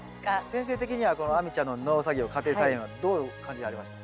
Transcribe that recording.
先生的にはこの亜美ちゃんの農作業家庭菜園はどう感じられました？